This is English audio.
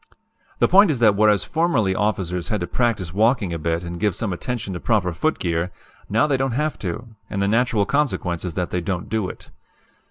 "The point is that whereas formerly officers had to practice walking a bit and give some attention to proper footgear, now they don't have to, and the natural consequence is that they don't do it.